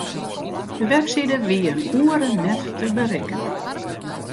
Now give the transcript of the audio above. De webside wie in oere net te berikken.